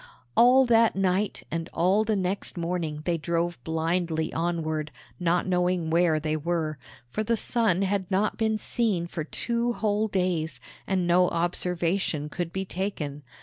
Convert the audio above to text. All that night and all the next morning they drove blindly onward, not knowing where they were; for the sun had not been seen for two whole days, and no observation could be taken.